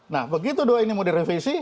nah begitu dua ini mau direvisi